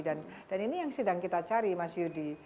dan ini yang sedang kita cari mas yudi